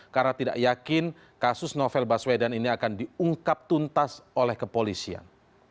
karena tidak yakin kasus novel baswedan ini akan diungkap tuntas oleh kepolisian